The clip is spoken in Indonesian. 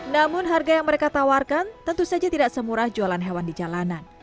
namun harga yang mereka tawarkan tentu saja tidak semurah jualan hewan di jalanan